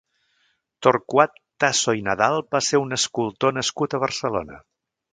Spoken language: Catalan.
Torquat Tasso i Nadal va ser un escultor nascut a Barcelona.